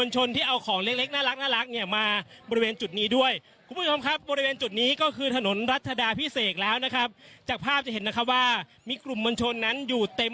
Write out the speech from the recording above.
เจ้าช่วยเห็นว่าทหารมาชู่่าย